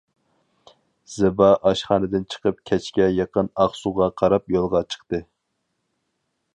زىبا ئاشخانىدىن چىقىپ كەچكە يېقىن ئاقسۇغا قاراپ يولغا چىقتى.